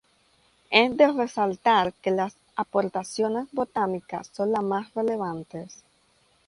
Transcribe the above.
Es de resaltar que las aportaciones botánicas son las más relevantes.